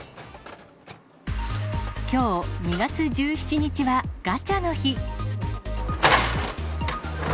きょう２月１７日はガチャの日。